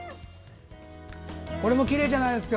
これもきれいじゃないですか。